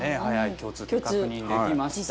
共通点確認できました。